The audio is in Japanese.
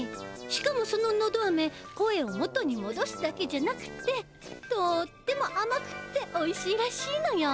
しかもそののどアメ声をもとにもどすだけじゃなくってとってもあまくっておいしいらしいのよ！